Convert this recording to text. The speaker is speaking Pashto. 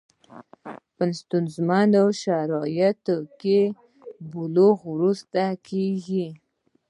په ستونزمنو شرایطو کې بلوغ وروسته کېږي.